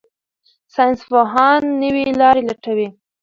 ساینسپوهان نوې لارې لټوي.